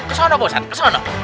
ke sana pak ustaz ke sana